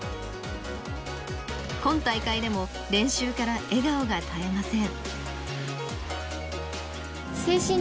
今大会でも練習から笑顔が絶えません。